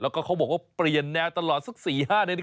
แล้วก็เขาบอกว่าเปลี่ยนแนวตลอดสัก๔๕นาที